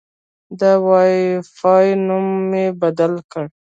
د وای فای نوم مې بدل کړ.